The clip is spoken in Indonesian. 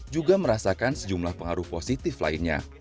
juga merasakan sejumlah pengaruh positif lainnya